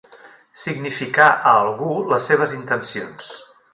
Significar a algú les seves intencions.